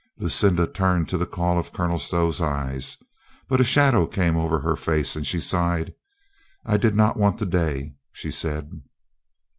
Lucinda turned to the call of Colonel Stow's eyes. But a shadow came over her face, and she sighed. "I did not want the day," she said.